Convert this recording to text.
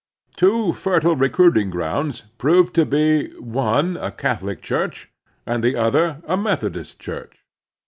Two fertile recruiting grotmds proved to be, one a Catholic church and the other a Methodist church.